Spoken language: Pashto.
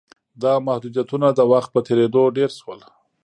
دا محدودیتونه د وخت په تېرېدو ډېر شول.